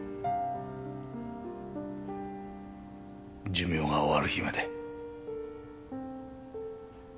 寿命が終わる日まで。